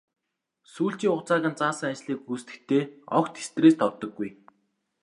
Сүүлчийн хугацааг нь заасан ажлыг гүйцэтгэхдээ ч огт стресст ордоггүй.